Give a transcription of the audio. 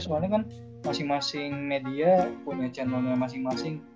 soalnya kan masing masing media punya channelnya masing masing